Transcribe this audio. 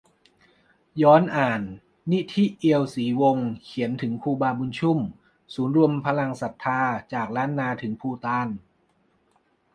ย้อนอ่าน 'นิธิ เอียวศรีวงศ์' เขียนถึง 'ครูบาบุญชุ่ม' ศูนย์รวมพลังศรัทธาจากล้านนาถึงภูฏาน